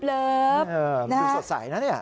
ดูสดใสนะเนี่ย